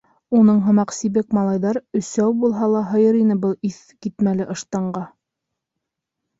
Уның һымаҡ сибек малайҙар өсәү булһа ла һыйыр ине был иҫ китмәле ыштанға.